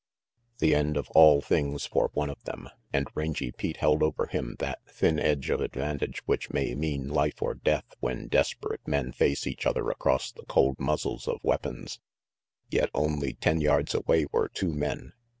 The end of all things for one of them ! And Rangy Pete held over him that thin edge of advantage which may mean life or death when desperate men face each other across the cold muzzles of weapons. Yet only ten yards away were two men.